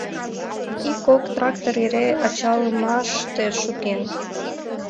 Ик-кок трактор эре ачалымаште шоген.